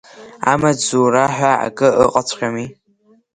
Амаҵзура ҳәа акы ыҟаҵәҟьами.